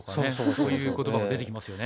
そういう言葉が出てきますよね。